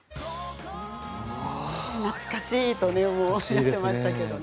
懐かしいとおっしゃってましたけれどもね。